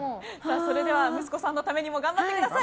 それでは息子さんのためにも頑張ってください。